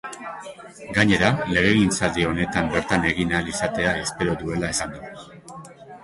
Gainera, legegintzaldi honetan bertan egin ahal izatea espero duela esan du.